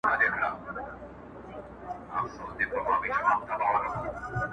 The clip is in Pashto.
نه خبره یې پر باز باندي اثر کړي-